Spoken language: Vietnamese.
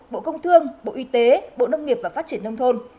bộ công thương bộ y tế bộ nông nghiệp và phát triển nông thôn